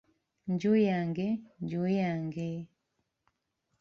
"Nju yange nju yange?"